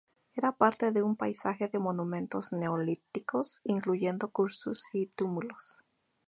Era parte de un paisaje de monumentos Neolíticos, incluyendo cursus y túmulos.